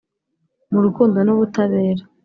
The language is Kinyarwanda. mu rukundo n’ubutabera